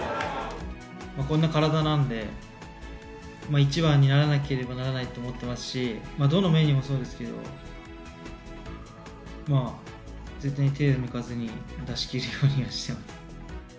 こんな体なんで、一番にならなければならないと思ってますし、どのメニューもそうですけど、絶対に手を抜かずに、出し切るようにはしてます。